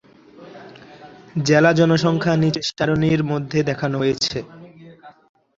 জেলা জনসংখ্যা নিচের সারণীর মধ্যে দেখানো হয়েছে।